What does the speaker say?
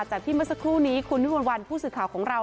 จากที่เมื่อสักครู่นี้คุณวิมวลวันผู้สื่อข่าวของเรา